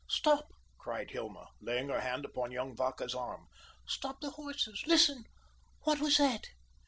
"Stop!" cried Hilma, laying her hand upon young Vacca's arm. "Stop the horses. Listen, what was that?"